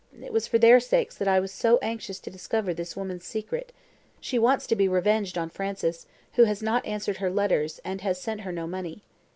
It was for their sakes that I was so anxious to discover this woman's secret. She wants to be revenged on Francis, who has not answered her letters, and has sent her no money.